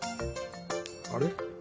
あれ？